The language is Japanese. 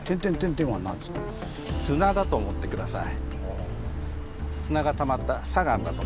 砂だと思って下さい。